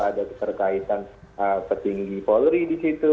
ada keterkaitan petinggi polri disitu